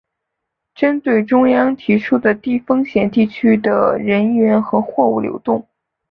针对中央提出的低风险地区之间的人员和货物流动